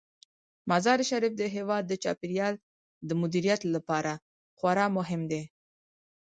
مزارشریف د هیواد د چاپیریال د مدیریت لپاره خورا مهم دی.